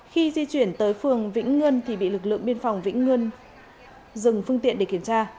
khi di chuyển tới phường vĩnh ngân thì bị lực lượng biên phòng vĩnh ngươn dừng phương tiện để kiểm tra